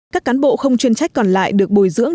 các cán bộ không chuyên trách còn lại được bồi dưỡng